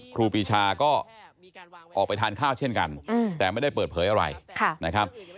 ครูปีชาก็ออกไปทานข้าวเช่นกันแต่ไม่ได้เปิดเผยอะไรนะครับ